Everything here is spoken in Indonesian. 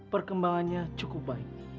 perkembangannya cukup baik